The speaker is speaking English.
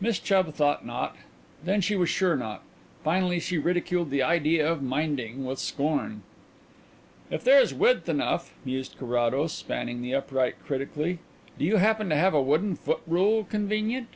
Miss Chubb thought not. Then she was sure not. Finally she ridiculed the idea of minding with scorn. "If there is width enough," mused Carrados, spanning the upright critically. "Do you happen to have a wooden foot rule convenient?"